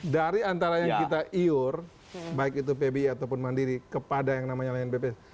dari antara yang kita iur baik itu pbi ataupun mandiri kepada yang namanya lion bps